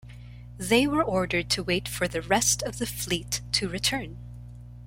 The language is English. They were ordered to wait for the rest of the fleet to return.